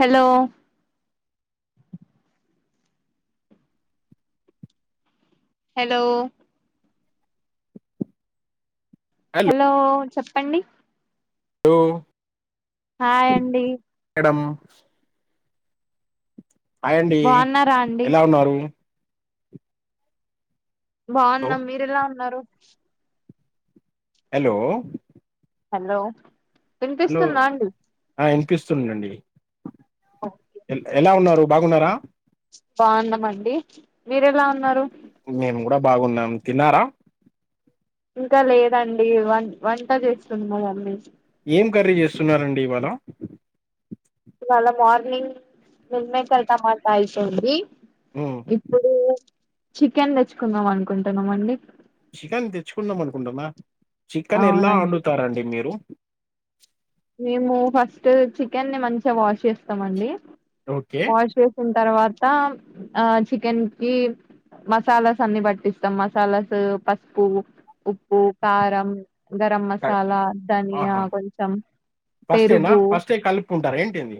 Hello hello hello చెప్ పండి లో హయ్ అండి. డం ఆయండి బాగున్నారా అండి ఎలా ఉన్నారు. హలో బావున్నాం మీరెలా ఉన్నారు. హలో హలో వినిపిస్తుందా అండి. ప్పిస్తుండండి అఓ ఎలా ఉన్నారు బాగున్నారా బాగున్నామండి మీర ఎలా ఉన్నారు మేము కూడా బాగున్నాం తిన్నారా ఇంకా లేదండి వ వంట చేస్తున్నా అండి ఏం కర్రీ చేస్తున్నారండి ఇవాళ ఇవాళ మార్నింగ్ నిమ్మకాయ టమోటా అయిపోయింది ఉమ్ ఇప్పుడు చికెన్ తెచ్చుకుందాం అనుకుంటున్నాం అండి చికెన్ తెచ్చుకున్నాం అనుకుంటునా చికెన్ ఎలా అవునండి వండుతారండి మీరు మేము ఫస్ట్ చికెన్ మంచిగా వాష్ చేస్తాంఅండి ఓకే వాష్ వేసిన తర్వాత ఆ చికెన్ కి మసాలాస్ అన్ని పట్టిస్తాం మసాలాస్ పసుపు ఉ ఉప్పు కారం గరం క- మసాలా ధనియా కొంచెం ఫస్ట్టీన పెరుగు ఫస్ట్టీన కలుపుకుంటారా ఏంటింది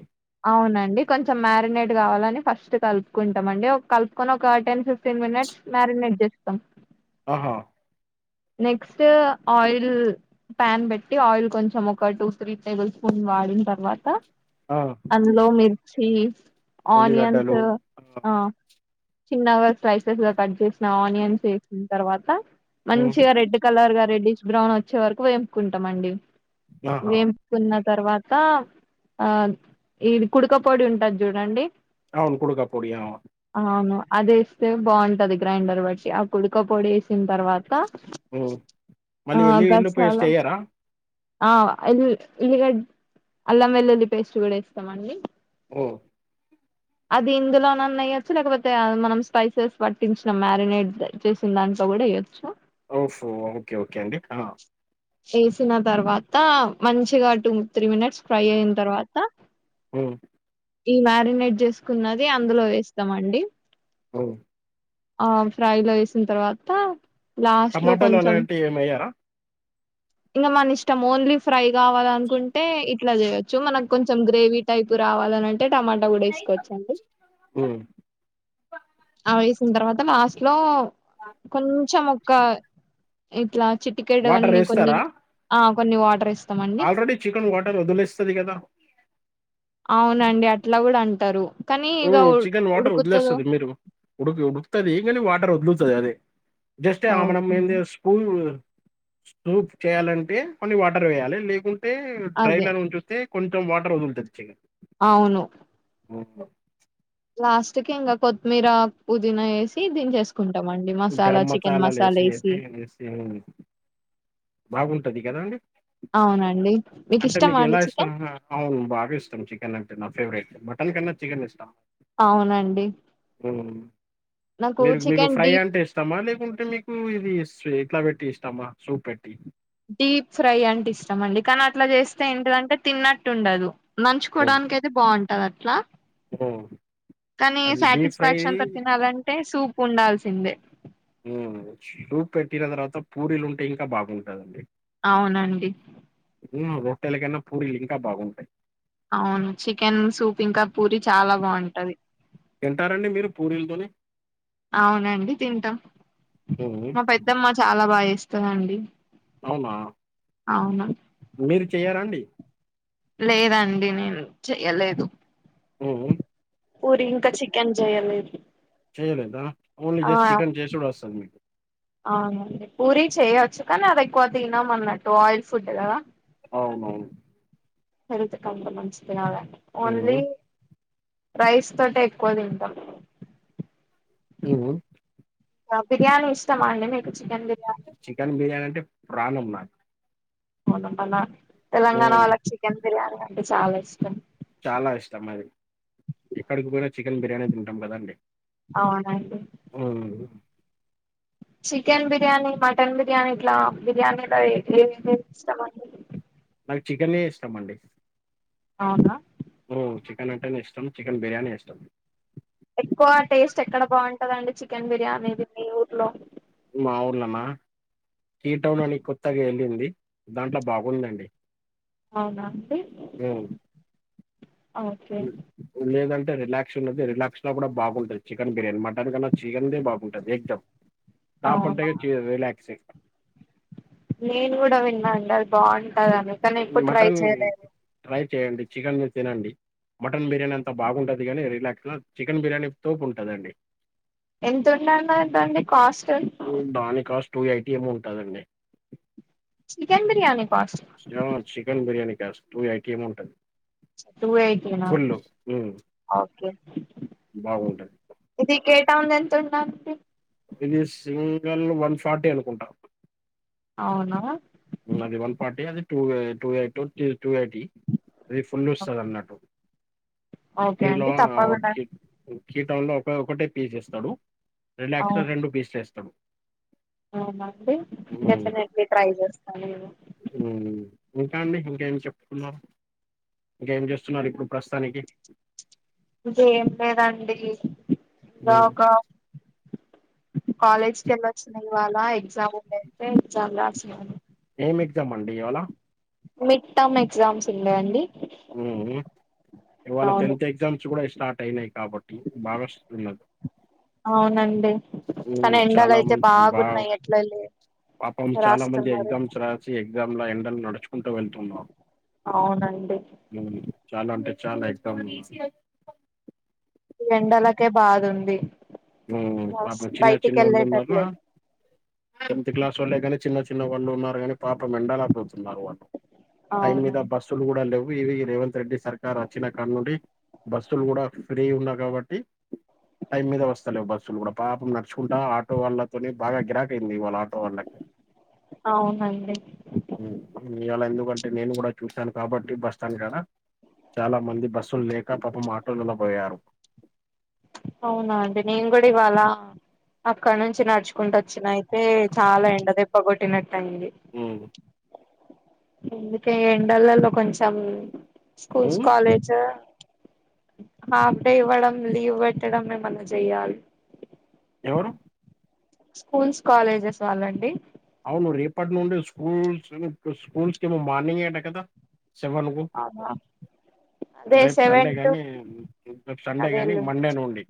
అవునండి కొంచెం మ్యారినేట్ కావాలని ఫస్ట్ కలుపుకుంటాం అండి కలుపుకొని ఒక టెన్ ఫిఫ్టీన్ మినిట్స్ మ్యారినేట్ చేస్తాం ఆహా నెక్స్ట్ ఆయిల్ ప్యాన్ పెట్టి ఆయిల్ కొంచం ఒక టూ త్రీ టేబుల్ స్పూన్ వాడిన తర్వాత ఆ అందులో మీరు చీస్ ఆఓనియన్స్ ఆ చిన్నగా స్లైసెస్ కట్ చేసిన ఆనియన్స్ వేసిన తర్వాత ఉమ్, మంచిగా రెడ్ కలర్ గా రెడ్డిష్ బ్రౌన్ వచ్చే వరకు వేంపుకుంటాంమండి ఆహా వెంచుకున్నా తర్వాత ఆ ఇది కుడుక పొడి ఉంటది చూడండి అవును కుడుకు పోడి అవును అవును అదిస్తే బాగుంటది గ్రైండర్ బట్టి ఆ కుడక పొడి వేసిన తర్వాత ఆ మళ్ళీ వెళ్లి వెళ్ళి గసాల పేస్ట్ అయ్యారా ఆ ఇల్ ఇల్లుగ అల్లం వెల్లుల్లి పేస్ట్ కూడా ఇస్తామండి ఓ అది ఇందులోనన్న అయచ్చు లేకపోతే మనం స్పైసెస్ పట్టించిన మ్యారినేట్ చేసిన దాంట్లో కూడా వయ్యొచ్చు ఫ ఓకే ఓకే అండి ఆ వేసిన తర్వాత మంచిగా టూ త్రీ మినిట్స్ ఫ్రై అయిన తర్వాత హ ఈ మ్యారినేట్ చేసుకున్నది అందులో వేస్తామండి అవు ఆ ఫ్రైలో వేసిన తర్వాత లాస్ట్ లో టమాటాలు కొంచెం అలాంటివి ఏమయ్యారా ఇంకా మన ఇష్టం ఓన్లీ ఫ్రై కావాలనుకుంటే ఇట్లా చేయొచ్చు మనకు కొంచెం గ్రేవీ టైప్ రావాలంటే టమోటా కూడా వేసుకోవచ్చు అండి హ్మ్. ఆ తర్వాత లాస్ట్ లో కొంచెం ఒక ఎట్లా చిటికెడు అన్ని కొన్ని స్తారా ఆ కొన్ని వాటర్ ఇస్త ఆల్రెడీ చికెన్ వాటర్ వదిలేస్తుంది కదా ఇట్లా కూడా అంటారు కానీ ఇక ఉ చికెన్ వాటర్ ఉడుకుతదో వదిలేస్తది మీరు ఉడుకి ఉడుకుతది కానీ వాటర్ వదులు అదే జస్ట్ ఆమన ఓకే మంది స్కూల్ సూప్ చేయాలంటే కొన్ని వాటర్ వేయాలి లేకుంటే అదే ట్రైలర్ ఉ చూస్త కొంచెం వాటర్ వదులుతది చికెన్ అవును ఉహూ లాస్ట్ కి ఇంకా కొత్తిమీర పుదీనా వేసి దించేసుకో గరం మసాలాలు ఏసి వేసి బాగుంటది కదా అండి అవునండి అంటే ఇష్టమా మీకు అండి ఎలా ఇష్టం చికెన్ అవు బాగా ఇష్టం చికెన్ అంటే నాకు ఫేవరెట్ మటన్ కన్నా చికెన్ ఇష్టం అవునండి హ్మ్. నాకు చికెన్ డీప్ ఇమా లేకుంటే మీకు ఇది ఇట్లా పెట్టి ఇష్టమా సూప్ పెట్టి డీప్ ఫ్రై అంటే ఇష్టం అండి కానీ అట్లా చేస్తే ఏంటిదంటే తిన్నట్టు ఉండదు ఓ నంచుకోవడానికి అయితే బాగుంతుంది ఆది వట్లా కానీ అది డీప్ ఫ్రై సాటిస్ఫాక్షన్ంతొ తినాలంటే సూ ఉండాల్సిందే చూపు పెట్టిన తర్వాత పూరీలు ఉంటే ఇంకా బాగుంటదండి అవునండి రొట్టెలకన్నా పూరిలు ఇంకా బాగుంటాయి అవును చికెన్ సూప్ ఇంకా పూరి చాలా బాగుంటది తింటారండి మీరు పూరీలతోని అవునండి తింటాం ఉమ్ మా పెద్దమ్మ చాలా బాగా జేస్ స్తదండి అవునా మీరు చెయ్యారా అండి లేదండి నేను చెయ్యలేదు ఉమ్ ఊరి ఇంకా చి ఎంజయలేదు చెయలేదా ఓన్లీ జస్ట్ చికెన్ చేసిడు ఒస్తది మీకు అవునండి పూరి చేయచ్చు కానీ అది ఎక్కువ తినమ అన్నట్టు ఆయిల్ ఫుడ్ కదా అవునవును హెల్త్ అంత మంచిది కదండీ ఉమ్ ఓన్లీ రైస్ తోటె ఎక్కువ తింటాం ఉమ్ బిర్యాని ఇష్టమాండి మీ చికన్ బి చికెన్ బిర్యానీ అంటే ప్రాణం మాక్ మొనమల తెలంగాణ వాళ్ల ఉమ్ చికెన్ బిర్యానీ అంటే చాలా ఇష్టం చాలా ఇష్టం అది ఎక్కడికి పోయినా చికెన్ బిర్యానె తింటాం కదండి అవునండి ఉమ్ చికెన్ బిర్యానీ మటన్ బిర్యానీ ఇట్లా బిర్యానీలో ఏ ఏమంటే ఇష్టమండి చికెనే ఇష్టాం అండి అవునాా ఓ చికెన్ అంటేనే ఇష్టం చికెన్ బిర్యానీ ఇష్టం ఎక్కువ టేస్ట్ ఎక్కడ బాగుంటదండి చికెన్ బిర్యానీది మీ ఊర్లో మాఊళనా హీటౌన్ అని కొత్తగా వెళ్ళింది దాంట్ల బాగుందండి అవునా అండి ఆ ఓకే ఉ ఉలేదండి రిలాక్స్ ఉన్నది రిలాక్స్ లో కూడా బాగుంటది చికన్ బిర్యానీ మటన్ కన్నా చికెన్ దే బాగుంటుది ఎక్దం టాప్ అంటే అవునా ఇగ క్యూ రిలాక్స్ నేను కూడా విన్నాండి అది బాగుంటదని కానీ ఎప్పుడు ట్రై మటన్ చేయలేదు ట్రై చేయండి చికెన్ మీర్ తినండి మటన్ బిర్యానీ అంతా బాగుంటది కానీ రిలాక్స్గా చికెన్ బిర్యానీ తోపు ఉంటదండి ఎంత ఉన్నదంటందండి కాస్ట్ ఏం ఉంటాదండి చికెన్ బిర్యానీ కాస్ట్ తిను చికెన్ బిర్యానీ ూ జస్ట్ ఎయిటీ మో ఉంటుంది టూ ఎయిటీ నా ఓకే బాగుంటది ఇది టౌన్ లో ఎంతంట ఇది సింగల్ వన్ ఫార్టీ అనుకుంటా అవునా అది వన్ ఫార్టీ అది టూ ఎ టూ ఎయిటీ టూ ఎయిటీ అది ఫుల్ వస్తది అన్నట్టు ఓకే దీంట్లో అండి తప్పకుండా వాటికి [unintelligible] లో ఒక ఒకటే పీస్ వేస్తాడు రిలాక్స్ లో అవును రెండు పీస్లు వేస్తడు అవునండి డెఫినెట్లీ ట్రై చేస్తాను నేను మ్మ్ ఇంకా అండి ఇంకేం చెప్పుకున్నాం. ఇంకేం చేస్తున్నారు ఇప్పుడు ప్రస్తుతానికి ఇంకేం లేదండి ఉమ్. రాక కాలేజ్కి వెళ్లొచ్చినారా ఇవాళ ఎగ్జామ్ ఉండ అయితే ఎగ్జామ్ రాసినార ఏం ఎగ్జామ్ అండి ఇవాళ మిడ్ టర్మ్ ఎగ్జామ్స్ ఉందా అండి ఇవాళ అవును టెన్త్ ఎగ్జామ్స్ కూడా స్టార్ట్ అయినాయి కాబట్టి బాగా [unintelligible] తన ఉమ్, ఎండలు చాలా అయితే మంది బా బాగున్నాయి ఎట్ల ఎల్లేది. పాపం చాలా మంది రాస్తున్నారు ఎగ్జామ్స్ [unintelligible] ఎండలు నడుచ్ కుంటు వెళ్తున్నా. అవునండి మ్మ్ చాలా అంటే చాలా ఇ క ఎండలకే బాదుంది పాపం చిన్న చిన్న వాళ్ళున్నారు. వెళ్ళేటట్లేదు టెన్త్ క్లాస్ వాళ్ళే కానీ చిన్న చిన్న వాళ్ళు ఉన్నారు కాని పాపం ఎండలకు ఉన్నారు [unintelligible] టైమ్ మీద అవునండి బస్సులు కూడా లేవు ఇవి లేవ రెడ్డి సర్కార్ వచ్చిన కాల నుండి బస్సులు కూడా ఫ్రీ ఉన్నాయి కాబట్టి టైం మీద వస్త న్నాయ్ బస్సులు కూడా పాపం నడుచుకుంటా ఆటో వాళ్ళతోనే బాగా గిరాకి అయింది వాళట వాళ్ళకి అవునండి ఇయ్యాల ఎందుకంటే నేను కూడా చూశాను కాబట్టి బస్టాండ్ కాడా చాలా మంది బస్సులు లేక పాపం ఆటోలలోబోయారు అవునా అండి నేను కూడా ఇవాళ అక్కడి నుంచి నడుచుకుంటూ వచ్చిన అయితే చాలా ఎండదెబ్బ కొట్టినట్టు అయింది ఉమ్ అందుకే ఎండలలో కొంచెం స్కూల్స్ ఉమ్, కాలేజీ హాఫ్ డే ఇవ్వడం లీవ్ పెట్టడం ఏమన్నా చెయాలి ఎవరు స్కూల్స్ కాలేజెస్ వాళ్ళండి అవును రేపటి నుండడి స్కూల్స్ స్కూల్స్ కి ఏమో మార్నింగ్ అట కదా సెవెన్ కు అవునా అదే రేపు సండే సెవెన్ టు కానీ రేపు సండే కానీ అదేలే మండే నుండి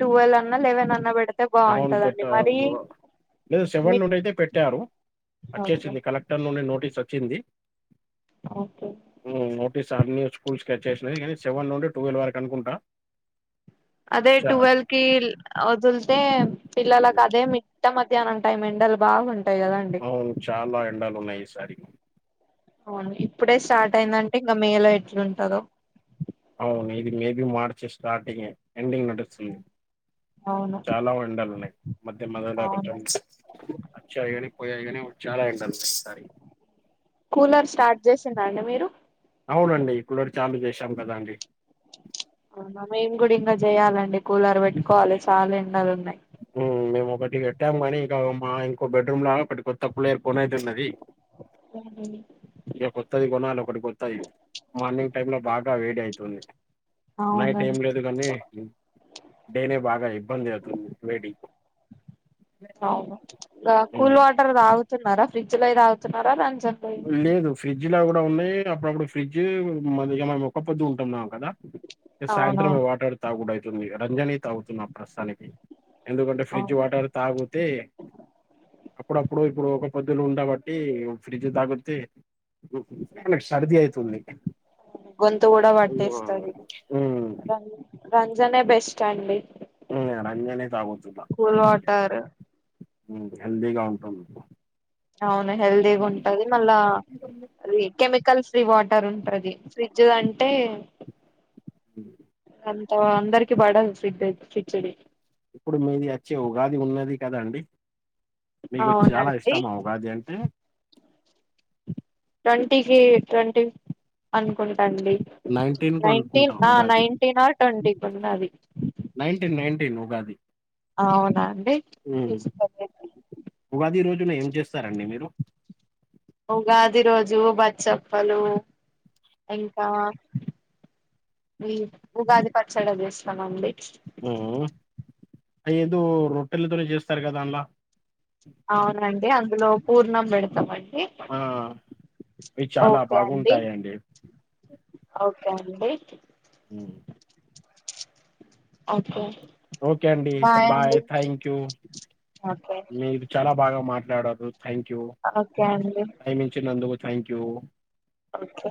టువెల్ అన్నా లవెన్ అన్నా పెడి పెట్ట లేదు సెవెన్ మిడ్ నుండి అయితే పెట్టారు ఓకే వచ్చేసింది కలెక్టర్ నుండి నోట్ నోటి వచ్చింది ఓకే సార్ ను స్కూల్ స్కెచ్ చేసినది కానీ సెవెన్ నుండి ట్వెల్వ్ వరకు అనుకుంటా అదే చ ట్వెల్వ్ కి వదులుతే పిల్లలలకు అదే మీ మిట్ట మధ్యానం టైమ్ ఎండలు బాగుం అవును చాలా ఎండలు ఉన్నాయి ఈ సారి అవును ఇప్పుడే స్టార్ట్ అయిందంటే ఇంకా మే లో ఎట్లుంటందో అవును ఇది మేబి మార్చి స్టార్టింగ్ ఎండింగ్ నడుస్తుంది అవును చాలా ఎండలు ఉన్నాయి మధ్య మద్దెల అవునా కొంచెం సు [inaudible] పోయిగానే చాలా ఎండలు ఉన్నాయ్ ఈ సారి కూలర్ స్టార్ట్ చేసి రండి మీరు అవునండి. కూలర్ చాలు చేశాం కదాండి అవున మేము కూడా ఇంకా చెయాలండి కూలర్ పెట్టుకోవాలి చాలా ఎండలు ఉన్నాయి మేము ఒకటికి పెట్టాము కానీ ఇక మా ఇంకో బెడ్ రూమ్ లో ఒకటి కొత్త కుల కొనేది ఉన్నది ఇగా కొత్తది కొనాలి ఒకటి కొత్తది మార్నింగ్ టైమ్ లో బాగా వేడి అయితుంది నైట్ ఏం అవునండి లేదు కానీ డేనే బాగా ఇబ్బంది అవుతుంది వేడి అవును గా హ్మ్. కూల్ వాటర్ తా న్నారా ఫ్రిడ్జ్ లాయి తాగుతున్నారా రంజాన్ లేదు ఫ్రిడ్జ్ లా కూ ఇ ఉన్నాయి అప్పుడప్పుడు ఫ్రిడ్జ్ మనం ఒక్క పొద్దు ఉంటున్నాం కదా సాయంత్రం అవునవును వాటర్ తాగుడు ఐ రంజాని తాగుతున్న ప్రస్తుతానికి ఎందుకంటే ఫ్రిడ్జ్ అవునండి వాటర్ తాగితే అప్పుడప్పుడు ఇప్పుడు ఒక్క పొద్దులు ఉండబట్టి ఫ్రిజ్ అది అదితాగుతే, ఆయనకి, సర్ది అయితుంది. గొంతు కూడా ఉమ్ పట్టేస్తది, ఉమ్, రంజనే బెస్ట్ అండి. ఉమ్ రాంజనే తాగుతుంట కూల్ మంచిది. వాటర్ హెల్దీగా ఉంటాం. అవును హెల్ది ఉంటాది, మళ్ల, అది కెమికల్స్. ఫ్రీ వాటర్ ఉంటది, ఫ్రిడ్జ్ అంటే. అ అంత అందరికి బాడన్ సిదయ్ సిక్సడె. ఇప్పుడు మీది అచ్చి, ఉగాది ఉగాది, గదా అండి. మీకు చాలా, అవునండి ఇష్టమ, ఉగాది అంటే. ట్వంటికి, ట్వంటీ అనుకు. అండి నైన్టీన్ కు అనుకుంటా నైటిన్, అ నైటిన్, ఆట్. కండి పన్నాది. నైటిన్, నైటీన్, ఉగాది. అవునా. ఉమ్ చూసుకోలేండి ఉగాది రోజ్. పొద్దున్న ఏం చేస్తారండి మీరు. ఉగాది రోజు బచ్చప్పలు, ఇంకా, ఈ ఉగాది పచ్చడ, చేస్తామండి. ఉమ్. ఏదో, రొట్టెలతోనే, జెస్తారు గదా, అంల్లా. అవునండి, అన్. అందులో పూర్ణం, బెండ్తమండి. ఆ, ఇవి చాలా, ఓకే అండి బాగుంటాయంండి. ఓకే అండి. ఉమ్. అకే. ఓకే అండి బాయ్, థాక్యూ, ఓకే మీరు చాలా బాగా, మాట్లాడరు. ఓకే అండి. ఇచ్చినందుకు థ్యాంక్ యూ. ఓకే.